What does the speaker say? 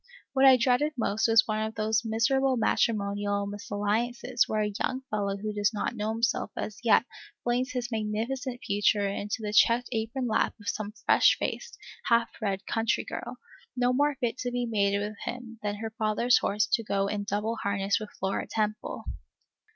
What I dreaded most was one of those miserable matrimonial misalliances where a young fellow who does not know himself as yet flings his magnificent future into the checked apron lap of some fresh faced, half bred country girl, no more fit to be mated with him than her father's horse to go in double harness with Flora Temple.